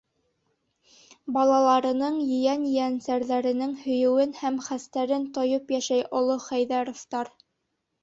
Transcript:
Балаларының, ейән-ейәнсәрҙәренең һөйөүен һәм хәстәрен тойоп йәшәй оло Хәйҙәровтар.